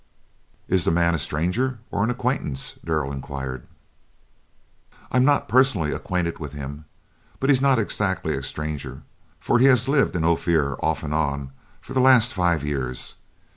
"Is the man a stranger or an acquaintance?" Darrell inquired. "I'm not personally acquainted with him, but he's not exactly a stranger, for he's lived in Ophir, off and on, for the last five years.